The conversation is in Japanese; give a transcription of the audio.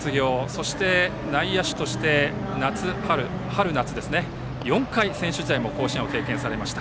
そして、内野手として春夏４回、選手時代にも甲子園を経験されました。